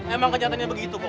emang kenyataannya begitu kok